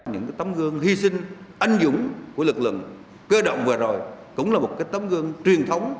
những tấm gương hy sinh anh dũng của lực lượng cơ động vừa rồi cũng là một tấm gương truyền thống